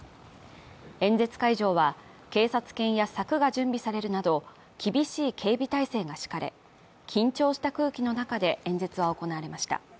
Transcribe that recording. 演説会場は、警察犬や柵が準備されるなど厳しい警備態勢が敷かれ、緊張した空気の中で演説は行われました。